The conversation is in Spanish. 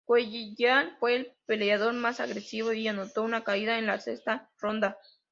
Cuellar fue el peleador más agresivo y anotó una caída en la sexta ronda.